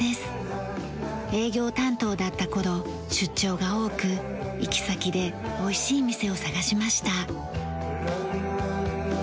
営業担当だった頃出張が多く行き先で美味しい店を探しました。